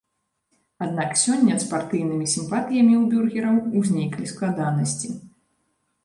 Аднак сёння з партыйнымі сімпатыямі ў бюргераў узніклі складанасці.